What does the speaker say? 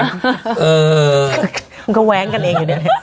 มันก็แว้งกันเองอยู่เนี่ย